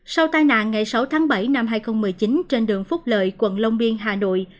sau tai nạn ngày sáu tháng bảy năm hai nghìn một mươi chín trên đường phúc lợi quận long biên hà nội